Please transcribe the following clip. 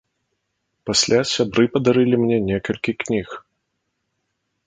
Пасля сябры падарылі мне некалькі кніг.